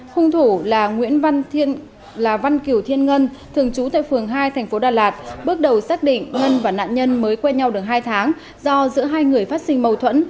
hung thủ là nguyễn văn là văn kiều thiên ngân thường trú tại phường hai thành phố đà lạt bước đầu xác định ngân và nạn nhân mới quen nhau được hai tháng do giữa hai người phát sinh mâu thuẫn